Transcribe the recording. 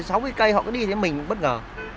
sáu cái cây họ cứ đi thấy mình bất ngờ